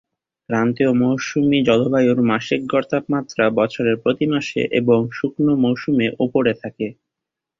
ক্রান্তীয় মৌসুমী জলবায়ুর মাসিক গড় তাপমাত্রা বছরের প্রতি মাসে এবং শুকনো মরসুমে উপরে থাকে।